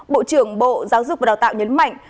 bộ trưởng bộ giáo dục và đào tạo nhấn mạnh